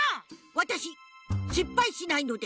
わたししっぱいしないので。